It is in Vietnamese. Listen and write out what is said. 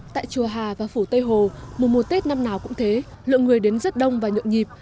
tại chùa hà và phủ tây hồ mùa mùa tết năm nào cũng thế lượng người đến rất đông và nhộn nhịp